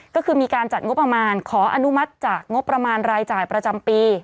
ก็คือมีการจัดงบประมาณขออนุมัติจากงบประมาณรายจ่ายประจำปี